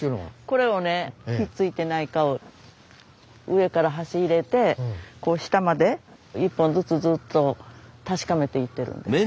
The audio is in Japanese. これをねひっついてないかを上から箸入れてこう下まで１本ずつずっと確かめていってるんですけど。